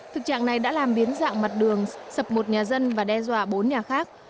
thực trạng này đã làm biến dạng mặt đường sập một nhà dân và đe dọa bốn nhà khác